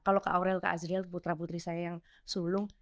kalau ke aurel ke azril putra putri saya yang sulung